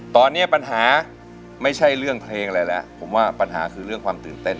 ตอนนี้ปัญหาไม่ใช่เรื่องเพลงอะไรแล้วผมว่าปัญหาคือเรื่องความตื่นเต้น